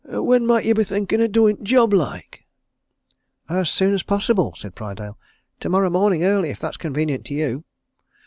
"When might you be thinkin' o' doin' t' job, like?" "As soon as possible," said Prydale. "Tomorrow morning, early, if that's convenient to you."